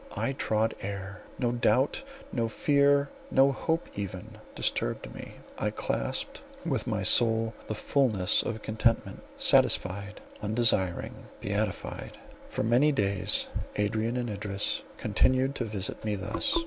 I trod air; no doubt, no fear, no hope even, disturbed me; I clasped with my soul the fulness of contentment, satisfied, undesiring, beatified. For many days Adrian and Idris continued to visit me thus.